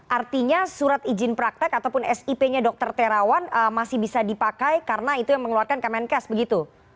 artinya surat izin praktek ataupun sip nya dr terawan masih bisa dipakai karena itu yang mengeluarkan kemenkes begitu